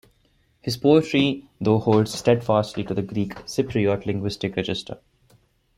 His poetry though holds steadfastly to the Greek Cypriot linguistic register.